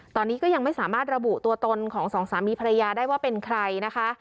ตอนนี้ก็ยังไม่สามารถระบุตัวตนของสองสามีภรรยาได้ว่าเป็นใครนะคะ